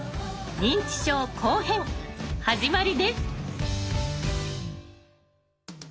「認知症」後編始まりです。